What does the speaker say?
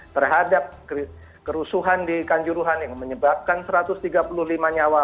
terhadap kerusuhan di kanjuruhan yang menyebabkan satu ratus tiga puluh lima nyawa